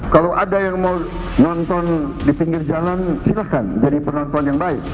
kalau ada yang mau nonton di pinggir jalan silahkan jadi penonton yang baik